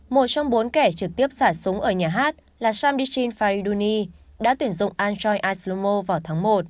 một trong bốn kẻ trực tiếp xả súng ở nhà hát là shandyshin fariduni đã tuyển dụng antron aslomo vào tháng một